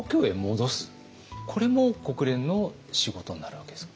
これも国連の仕事になるわけですか。